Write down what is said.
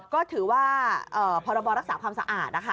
ก็ถือว่าพรบรักษาความสะอาดนะคะ